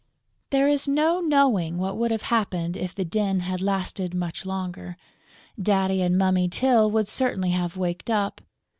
There is no knowing what would have happened if the din had lasted much longer. Daddy and Mummy Tyl would certainly have waked up.